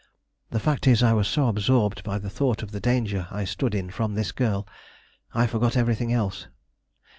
The fact is, I was so absorbed by the thought of the danger I stood in from this girl, I forgot everything else.